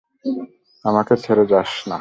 আমাকে ছেড়ে যাস না।